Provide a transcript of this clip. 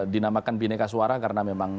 dinamakan bineka suara karena memang